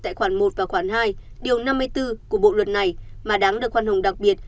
tại khoản một và khoản hai điều năm mươi bốn của bộ luật này mà đáng được khoan hồng đặc biệt